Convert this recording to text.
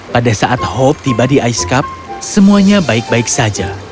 pada saat hope tiba di ice cup semuanya baik baik saja